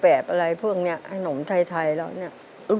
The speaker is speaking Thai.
แต่ได้เห็นก็ว่ามีทำขนมขายด้วยละครับ